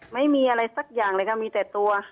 ไม่มีอะไรสักอย่างเลยค่ะมีแต่ตัว